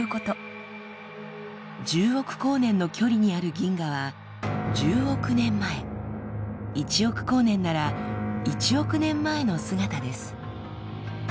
１０億光年の距離にある銀河は１０億年前１億光年なら１億年前の姿です。